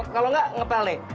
kalau nggak ngepel nih